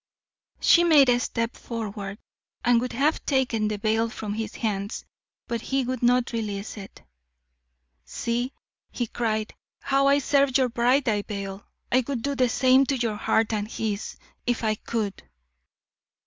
She made a step forward and would have taken the veil from his hands, but he would not release it. "See," he cried, "how I serve your bridal veil! I would do the same to your heart, and his, if I could."